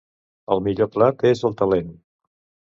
El millor plat és el talent.